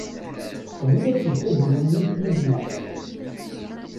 Teqbel ad teg tadiwennit yid-neɣ.